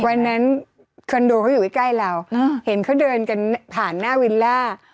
วันนั้นคอนโดเขาอยู่ใกล้เราเห็นเขาเดินกันผ่านหน้าวิลล่า